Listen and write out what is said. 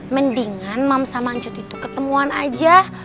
mendingan mams sama encut itu ketemuan aja